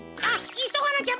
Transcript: いそがなきゃ！